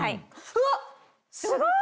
うわっすごい！